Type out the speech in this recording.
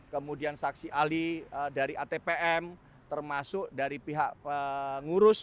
kemudian saksi ahli dari atpm termasuk dari pihak pengurus